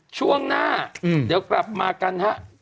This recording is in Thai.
ช่วงหน้าเดี๋ยวกลับมากันฮะ